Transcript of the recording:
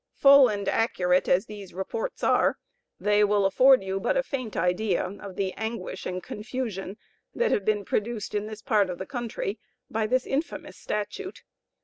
Full and accurate as these reports are, they will afford you but a faint idea of the anguish and confusion that have been produced in this part of the country by this infamous statute.